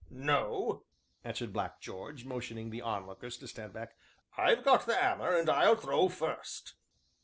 "No," answered Black George, motioning the onlookers to stand back, "I've got th' 'ammer, and I'll throw first."